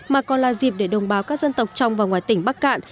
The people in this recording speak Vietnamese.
mà còn là dịp để đồng bào các dân tộc trong và ngoài tỉnh bắc cạn